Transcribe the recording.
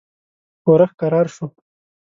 ښورښ کرار شو.